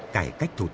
cải cách thủ tục hành